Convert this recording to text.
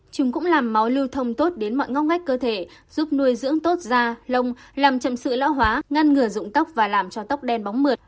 chúng cũng làm máu lưu thông tốt đến mọi ngóc ngách cơ thể giúp nuôi dưỡng tốt da lông làm chậm sự lão hóa ngăn ngừa dụng tóc và làm cho tóc đen bóng mượt